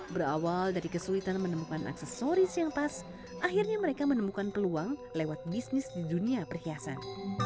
berawal dari kesulitan menemukan aksesoris yang pas akhirnya mereka menemukan peluang lewat bisnis di dunia perhiasan